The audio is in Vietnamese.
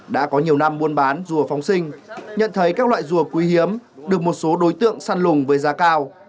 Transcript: đã có nhiều năm buôn bán rùa phóng sinh nhận thấy các loại rùa quý hiếm được một số đối tượng săn lùng với giá cao